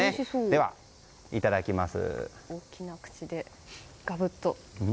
では、いただきます。